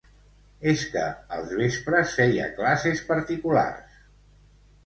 És que, els vespres, feia classes particulars.